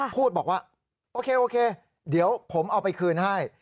พูดบอกว่าโอเคโอเคเดี๋ยวผมเอาไปคืนให้